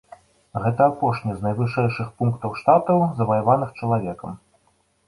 Гэта апошні з найвышэйшых пунктаў штатаў, заваяваных чалавекам.